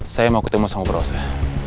saya mau ketemu sama proses